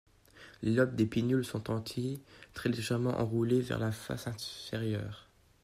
Les lobes des pinnules sont entiers, très légèrement enroulés vers la face inférieure.